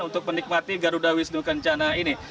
untuk menikmati garuda wisnu kencana ini